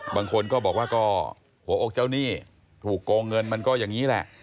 บางคนก็บอกว่าก็หัวอกเจ้าหนี้ถูกโกงเงินมันก็อย่างนี้แหละ